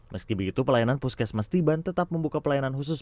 meski begitu pelayanan puskesmas tiban tetap membuka pelayanan khusus